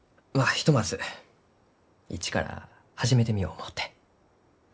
ひとまず一から始めてみよう思うて。